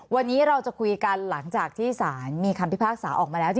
วันนี้เราจะคุยกันหลังจากที่สารมีคำพิพากษาออกมาแล้ว